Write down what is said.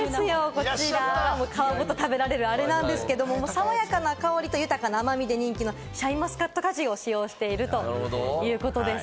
こちら、皮ごと食べられるんですけれども、爽やかな香りと豊かな甘みで人気のシャインマスカット果汁を使用しているということです。